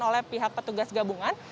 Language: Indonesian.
oleh pihak petugas gabungan